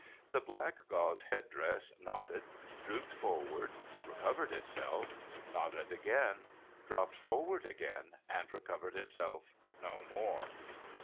The black gauze head dress nodded, dropped forward, recovered itself, nodded again, dropped forward again, and recovered itself no more.